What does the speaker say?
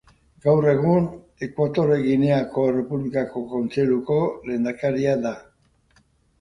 Gaur egun, Ekuatore Gineako Errepublikako Kontseiluko lehendakaria da.